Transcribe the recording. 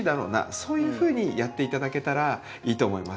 そういうふうにやっていただけたらいいと思います。